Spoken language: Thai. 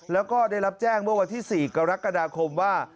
แล้วก็ได้รับแจ้งเมื่อวันที่๔กรกฎาคมว่า